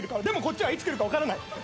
でもこっちはいつ来るか分からない。